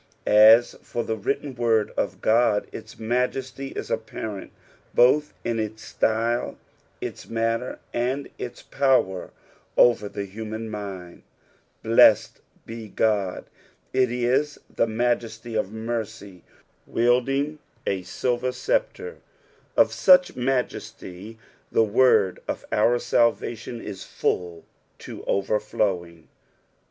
As for the written word of Ood, its majesty is apparent both in its style, its matter, and its power over the human mind ; blessed be Ood, it is the majesty of mercy wielding a silver sceptre ; of such majesty tbe word of our salvation ifl/uU to oversowing.